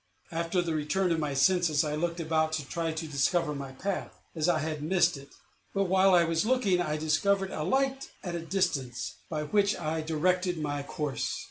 After the return of my senses, I looked about to try to discover my path, as I had missed it; but, while I was looking, I discovered a light at a distance, by which I directed my course.